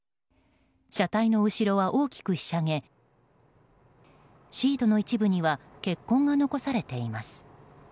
車体の後ろは大きくひしゃげシートの一部には血痕が残されています。